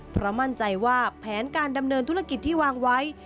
เพราะมั่นใจว่าแผนการดำเนินธุรกิจที่วางไว้